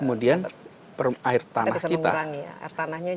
kemudian air tanah kita